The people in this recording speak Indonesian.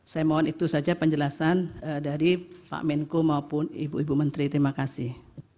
saya mohon itu saja penjelasan dari pak menko maupun ibu ibu menteri terima kasih